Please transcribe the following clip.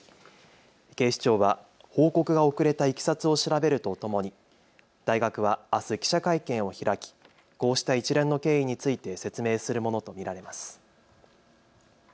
警視庁は報告が遅れたいきさつを調べるとともに大学はあす記者会見を開きこうした一連の経緯について説明するものと見られます。